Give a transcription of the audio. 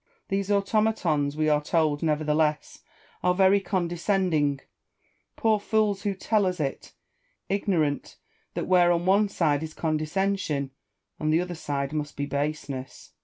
Tliese auto matons, we are told nevertheless, are very condescending. ALFIERT AND SALOMON. 241 Poor fools who tell us it ! ignorant that where on one side is condescension, on the other side must be baseness.